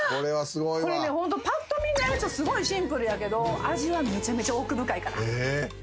これねホントぱっと見ねすごいシンプルやけど味はめちゃめちゃ奥深いから。